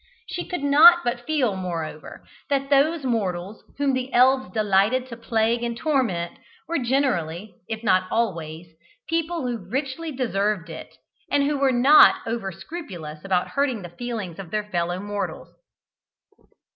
She could not but feel, moreover, that those mortals whom the elves delighted to plague and torment were generally, if not always, people who richly deserved it, and who were not over scrupulous about hurting the feelings of their fellow mortals.